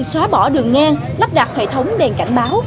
xóa bỏ đường ngang nắp đặt hệ thống đèn cảnh báo